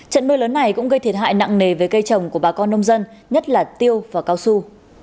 trận mưa lớn này cũng gây thiệt hại nặng nề về cây trồng của bà con nông dân nhất là tiêu và cao su